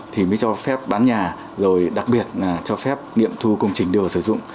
thì mới cho phép bán nhà rồi đặc biệt là cho phép nghiệm thu công trình điều sử dụng